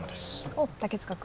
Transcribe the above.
おっ竹塚君。